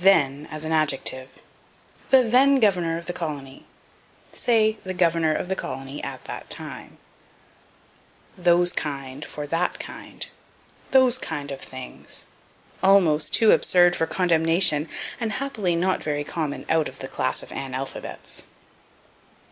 Then as an Adjective. "The then governor of the colony." Say, the governor of the colony at that time. Those Kind for That Kind. "Those kind of things." Almost too absurd for condemnation, and happily not very common out of the class of analphabets.